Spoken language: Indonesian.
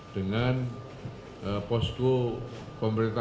dengan posko pemerintah pusat